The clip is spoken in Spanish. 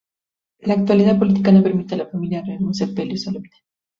La actualidad política no permite a la familia real un sepelio solemne.